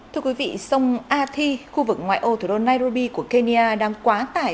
thưa quý vị sông a thi khu vực ngoại ô thủ đô nairobi của kenya đang quá tải